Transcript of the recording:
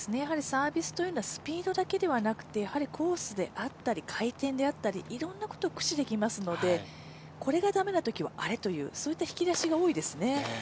サービスというのはやはりスピードだけではなくてコースであったり回転であったりいろんなことを駆使できますのでこれが駄目なときはあれというそういった引き出しが多いですね。